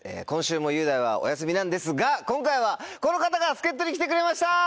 今週も雄大はお休みなんですが今回はこの方が助っ人に来てくれました！